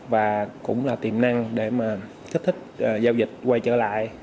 và cũng là tiềm năng để mà kích thích giao dịch quay trở lại